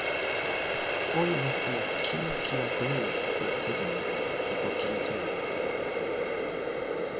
Oni ne scias, kiu kiam kreis la desegnojn kaj por kiu celo.